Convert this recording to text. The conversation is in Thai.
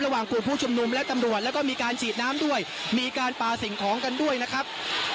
ระหว่างกลุ่มผู้ชุมนุมและตำรวจแล้วก็มีการฉีดน้ำด้วยมีการปลาสิ่งของกันด้วยนะครับ